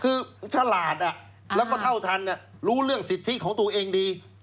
คือฉลาดแล้วก็เท่าทันรู้เรื่องสิทธิของตัวเองดี